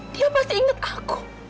dia pasti ingat aku